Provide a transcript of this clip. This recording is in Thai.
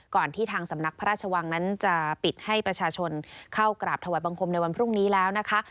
ที่ทางสำนักพระราชวังนั้นจะปิดให้ประชาชนเข้ากราบถวายบังคมในวันพรุ่งนี้แล้วนะคะ